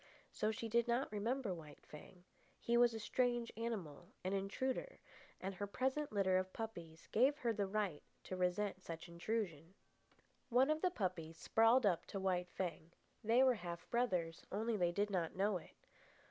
So she did not remember White Fang. He was a strange animal, an intruder; and her present litter of puppies gave her the right to resent such intrusion. One of the puppies sprawled up to White Fang. They were half brothers, only they did not know it.